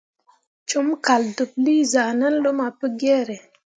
Com kaldeɓlii zah nan luma Pugiere.